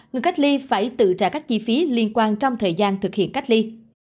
người cách ly phải tự trả các chi phí liên quan trong thời gian thực hiện cách ly